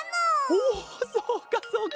おそうかそうか！